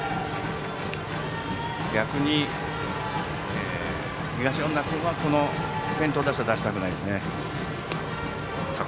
逆に東恩納君は先頭打者を出したくないですね。